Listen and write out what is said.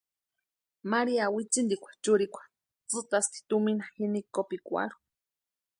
María witsintikwa churikwa tsïtasti tumina jini kopikwarhu.